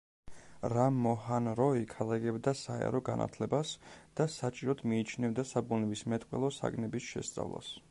რამ მოჰან როი ქადაგებდა საერო განათლებას და საჭიროდ მიიჩნევდა საბუნებისმეტყველო საგნების შესწავლას.